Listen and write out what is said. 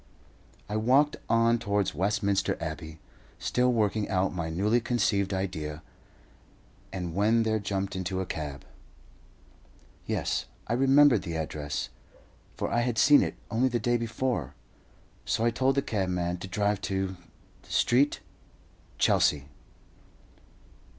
I walked on towards Westminster Abbey, still working out my newly conceived idea, and when there jumped into a cab. Yes, I remembered the address, for I had seen it only the day before, so I told the cabman to drive to Street, Chelsea.